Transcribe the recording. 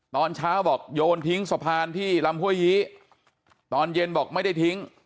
ตอนเช้าบอกโยนทิ้งสะพานที่ลำห้วยยี้ตอนเย็นบอกไม่ได้ทิ้ง